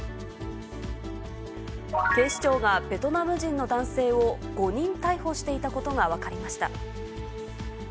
警視庁がベトナム人の男性を誤認逮捕していたことが分かりました。